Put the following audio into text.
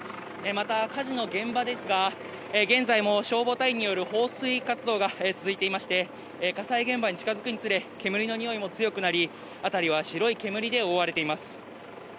また火事の現場ですが、現在も消防隊員による放水活動が続いていまして、火災現場に近づくにつれ、煙の臭いも強くなり、辺りは白い煙で覆われています。